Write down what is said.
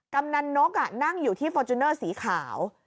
กำนันนกนั่งอยู่ที่ฟอร์จูเนอร์สีขาว